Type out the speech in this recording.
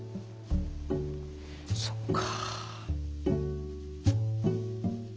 そっか。